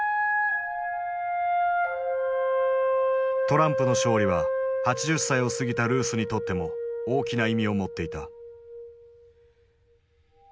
トランプの勝利は８０歳を過ぎたルースにとっても大きな意味を持っていた。